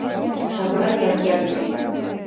— Шамраят ядеш.